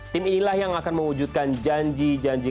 tim inilah yang akan mewujudkan janji janji